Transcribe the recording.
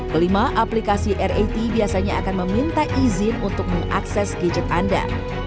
kelima aplikasi rat biasanya akan meminta izin untuk mengakses gadget anda